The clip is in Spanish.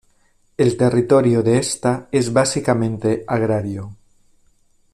El territorio de esta es básicamente agrario.